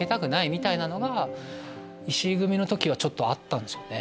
みたいなのが石井組の時はちょっとあったんですよね。